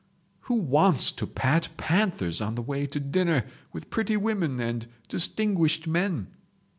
Who wants to pat panthers on the way to dinner with pretty women and distinguished men?